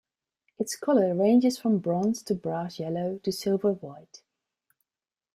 Its color ranges from bronze to brass yellow to silver white.